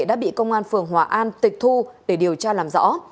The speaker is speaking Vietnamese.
đã bị công an phường hòa an tịch thu để điều tra làm rõ